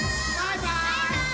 バイバーイ！